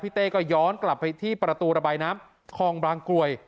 เต้ก็ย้อนกลับไปที่ประตูระบายน้ำคลองบางกรวย